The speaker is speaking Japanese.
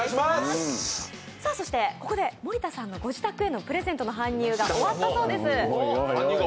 そしてここで森田さんのご自宅へのプレゼントの搬入が終わったそうです。